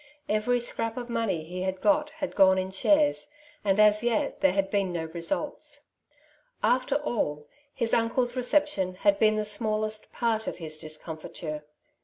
Every scrap of money he had got had gone in shares, and as yet there had been no results. After all, his uncle's reception had been the smallest part of his discomfiture.